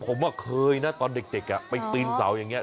ผมเคยนะตอนเด็กไปปีนเสาอย่างนี้